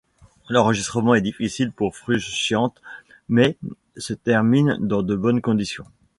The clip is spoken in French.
L'enregistrement est difficile pour Frusciante mais se termine dans de bonnes conditions.